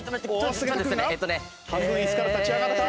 菅田君が半分椅子から立ち上がった。